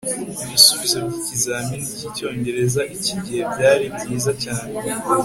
ibisubizo byikizamini cyicyongereza iki gihe byari byiza cyane